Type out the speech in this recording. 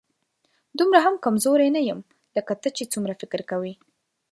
دومره هم کمزوری نه یم، لکه ته چې څومره فکر کوې